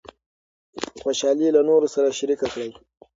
خوشحالي له نورو سره شریکه کړئ.